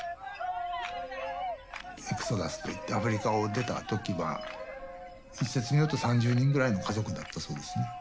エクソダスといってアフリカを出た時は一説によると３０人ぐらいの家族だったそうですね。